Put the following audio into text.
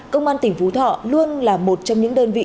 công an tỉnh phú thọ luôn là một trong những đơn vị